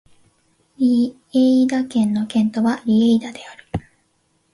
リェイダ県の県都はリェイダである